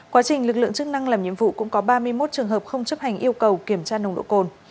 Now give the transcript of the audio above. quá trình lực lượng chức năng làm nhiệm vụ cũng có ba mươi một trường hợp không chấp hành yêu cầu kiểm tra nồng độ cồn